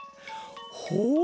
ほう！